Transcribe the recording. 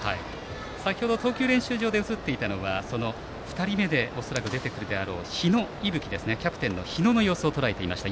先ほど投球練習場で映っていたのは２人目で恐らく出てくるだろうキャプテン、日野勇吹をとらえていました。